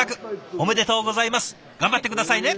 おめでとうございます頑張って下さいね。